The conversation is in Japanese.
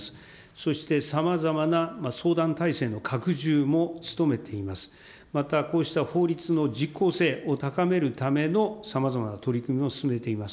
そして、さまざまな相談体制の拡充も努めています。